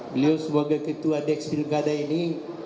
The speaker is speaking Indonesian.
beliau sebagai ketua dekspilgada ini